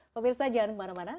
pemirsa jangan kemana mana